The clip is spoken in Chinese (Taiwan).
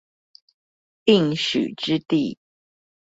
應許之地